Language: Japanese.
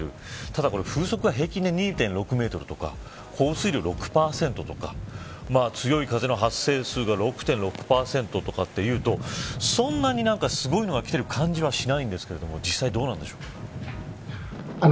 ただ、これ風速は平均で２．６メートルとか降水量６％とか、強い風の発生数が６．６％とかというと、そんなに何かすごいのが来ている感じはしないですけど実際どうなんでしょうか。